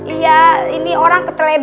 iya ini orang ketedoran banget ya